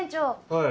はい。